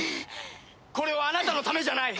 これはあなたのためじゃない。